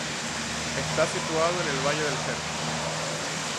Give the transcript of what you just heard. Está situado en el Valle del Jerte.